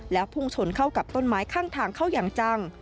แล้วพุ่งชนเข้ากับต้นไม้ข้างทางเข้าอย่างจัง